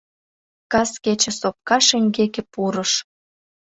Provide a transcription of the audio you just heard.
Кас кече сопка шеҥгеке пурыш.